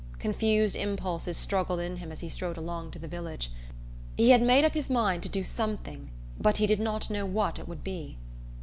Confused impulses struggled in him as he strode along to the village. He had made up his mind to do something, but he did not know what it would be.